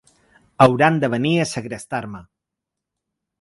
Hauran de venir a segrestar-me.